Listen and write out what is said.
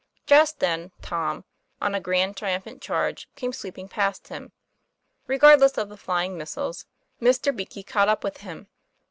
Just then, Tom, on a grand triumphant charge, came sweeping past him. Regardless of the flying missiles, Mr. Beakey caught up with him.